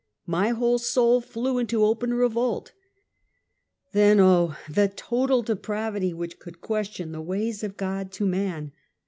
My whole soul Hew into open revolt; then oh! the total depravity which could question " the ways of God to man."